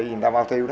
người ta bao tiêu đó